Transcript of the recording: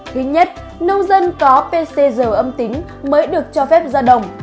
thứ nhất nông dân có pcr âm tính mới được cho phép ra đồng